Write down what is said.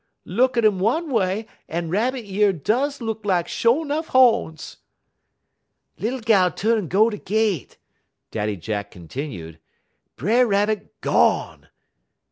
"Look at um one way, en Rabbit year does look lak sho' nuff ho'ns." "Lil gal tu'n go da gett," Daddy Jack continued; "B'er Rabbit gone!